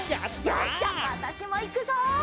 よしじゃあわたしもいくぞ！